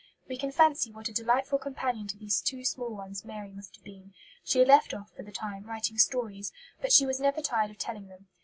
We can fancy what a delightful companion to these two small ones Mary must have been. She had left off, for the time, writing stories, but she was never tired of telling them.